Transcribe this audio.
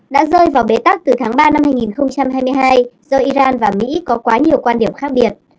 đã rơi vào bế tắc từ tháng ba năm hai nghìn hai mươi hai do iran và mỹ có quá nhiều quan điểm khác biệt